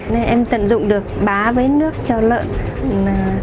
nên em tận dụng được bá với nước cho lợn